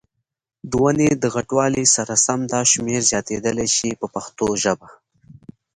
د ونې د غټوالي سره سم دا شمېر زیاتېدلای شي په پښتو ژبه.